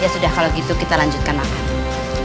ya sudah kalau gitu kita lanjutkan makan